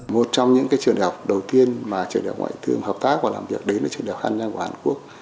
một trong những trường đại học đầu tiên mà trường đại học ngoại thương hợp tác và làm việc đến trường đại học hàn giang của hàn quốc